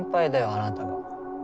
あなたが。